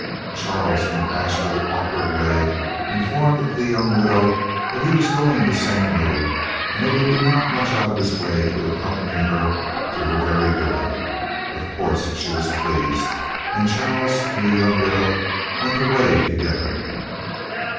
Charles, in a bashful, awkward way, informed the young widow that he was going the same road, and it would not be much out of his way to accompany her to her very door. Of course she was pleased, and Charles and the young widow went away together.